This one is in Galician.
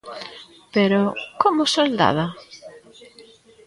_Pero, ¿como soldada?